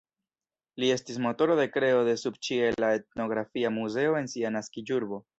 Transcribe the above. Li estis motoro de kreo de subĉiela etnografia muzeo en sia naskiĝurbo.